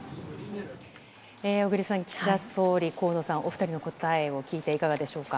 小栗さん、岸田総理、河野さん、お２人の答えを聞いて、いかがでしょうか。